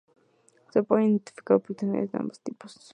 Se pueden identificar oportunidades de ambos tipos.